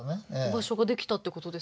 場所ができたってことですよね。